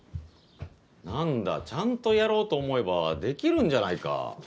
何だちゃんとやろうと思えばできるんじゃないか。